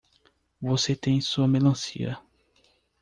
Você tem sua melancia.